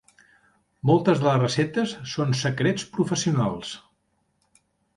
Moltes de les receptes són secrets professionals.